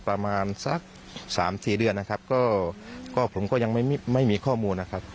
ประมาณสักสามสี่เดือนนะครับก็ผมก็ยังไม่ไม่มีข้อมูลนะครับ